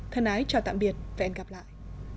thân ái chào tạm biệt và hẹn gặp lại